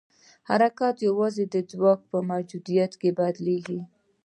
حرکت یوازې د ځواک په موجودیت کې بدل کېږي.